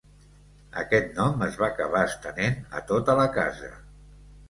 Aquest nom es va acabar estenent a tota la casa.